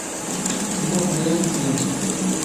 ⵎⵎⵓⵜⵏ ⵢⴰⵏ ⵙ ⵢⴰⵏ.